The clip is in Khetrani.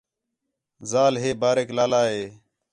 ذال باریک لالا ہِے